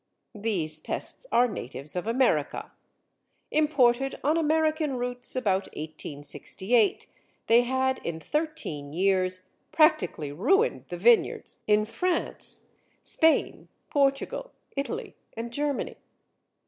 These pests are natives of America. Imported on American roots about 1868, they had in thirteen years practically ruined the vineyards in France, Spain, Portugal, Italy, and Germany.